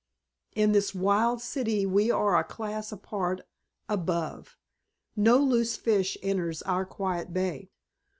In this wild city we are a class apart, above. No loose fish enters our quiet bay.